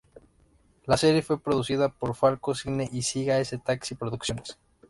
La serie fue producida por Falco Cine y Siga ese taxi Producciones.